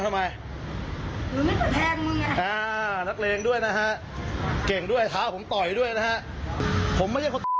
ผมไม่เคยด่าคนเลยตอนแรกสักคำไม่มี